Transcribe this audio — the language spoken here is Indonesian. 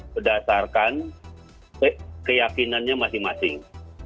berdasarkan keyakinannya masing masing